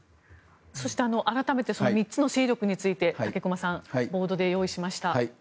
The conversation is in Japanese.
そして改めてその３つの勢力について武隈さんボードで用意しました。